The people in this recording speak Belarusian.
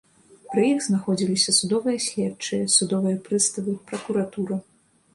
Пры іх знаходзіліся судовыя следчыя, судовыя прыставы, пракуратура.